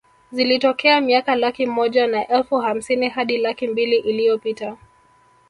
Zilitokea miaka laki moja na elfu hamsini hadi laki mbili iliyopita